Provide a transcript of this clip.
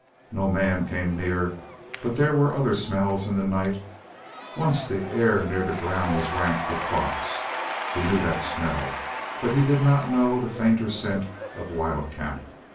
No man came near but there were other smells in the night. Once the air near the ground was rank with fox. He knew that smell, but he did not know the fainter scent of wildcat.